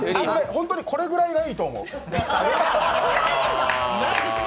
本当にこれぐらいがいいと思う。